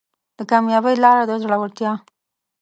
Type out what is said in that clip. د کامیابۍ لاره د زړورتیا